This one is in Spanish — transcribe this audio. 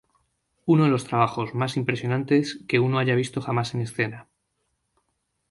Uno de los trabajos más impresionantes que uno haya visto jamás en escena.